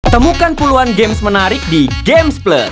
temukan puluhan games menarik di gamesplus